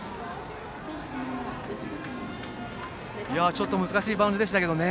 ちょっと難しいバウンドでした。